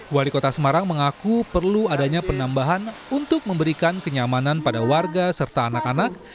wali kota semarang mengaku perlu adanya penambahan untuk memberikan kenyamanan pada warga serta anak anak